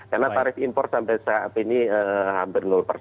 karena tarif impor sampai saat ini hampir